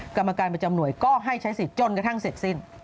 กรรมการประจำหน่วยก็ให้ใช้สิทธิ์จนกระทั่งเสร็จสิ้น